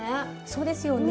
そうですよね。